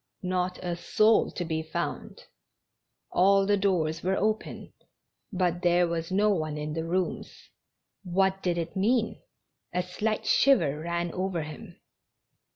Not a soul to be found ; all the doors were open, but there was no one in the rooms. What did it mean? A slight shiver ran over him.